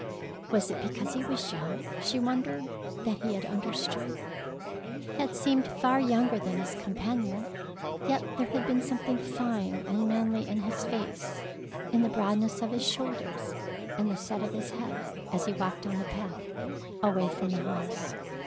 Was it because he was young, she wondered, that he had understood? He had seemed far younger than his companion, yet there had been something fine and manly in his face, in the broadness of his shoulders, and the set of his head, as he walked down the path, away from the house.